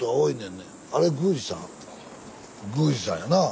宮司さんやなあ。